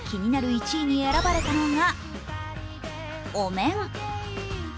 そして気になる１位に選ばれたのがお面。